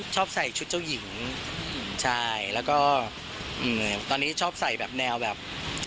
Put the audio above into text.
ชอบใส่ชุดเจ้าหญิงใช่แล้วก็ตอนนี้ชอบใส่แบบแนวแบบ